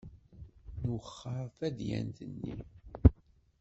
Nwexxer tadyant-nni.